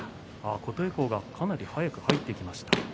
琴恵光がかなり早く入ってきました。